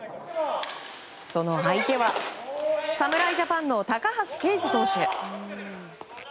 その相手は侍ジャパンの高橋奎二投手。